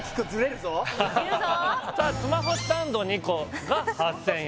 さあスマホスタンド２個が８０００円